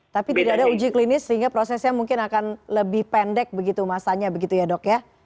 tapi tidak ada uji klinis sehingga prosesnya mungkin akan lebih pendek begitu masanya begitu ya dok ya